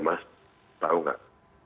mas tahu nggak